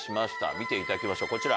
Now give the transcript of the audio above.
見ていただきましょうこちら。